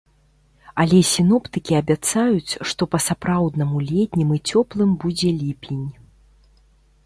Але сіноптыкі абяцаюць, што па-сапраўднаму летнім і цёплым будзе ліпень.